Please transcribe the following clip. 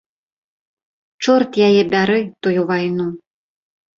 Чорт яе бяры, тую вайну!